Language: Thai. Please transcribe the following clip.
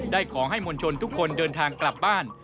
ขอให้มวลชนทุกคนเดินทางกลับบ้าน